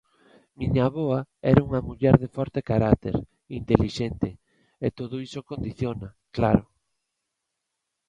Miña avoa era unha muller de forte carácter, intelixente... e todo iso condiciona, claro.